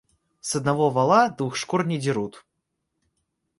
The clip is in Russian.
С одного вола двух шкур не дерут.